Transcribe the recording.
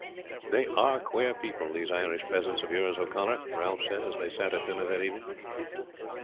"They are queer people these Irish peasants of yours, O'Connor," Ralph said as they sat at dinner that evening.